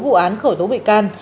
khởi tố vụ án khởi tố bị can